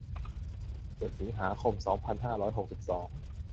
เจ็ด สิงหาคม สองพันห้าร้อยหกสิบสอง